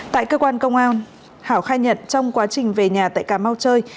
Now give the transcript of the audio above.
tại cơ quan công an hảo khai nhật trong quá trình về nhà tại cà mau chơi